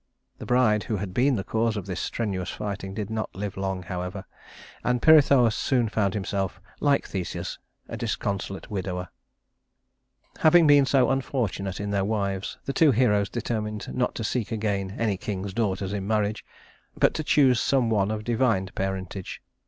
The bride who had been the cause of this strenuous fighting did not live long, however, and Pirithous soon found himself like Theseus, a disconsolate widower. [Illustration: Theseus] Having been so unfortunate in their wives, the two heroes determined not to seek again any king's daughters in marriage, but to choose some one of divine parentage.